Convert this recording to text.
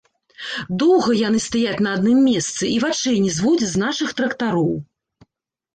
Доўга яны стаяць на адным месцы і вачэй не зводзяць з нашых трактароў.